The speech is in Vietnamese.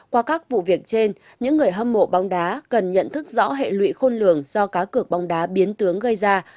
qua các vụ việc trên những người hâm mộ bóng đá cần nhận thức rõ hệ lụy khôn lường do cá cược bóng đá biến tướng gây ra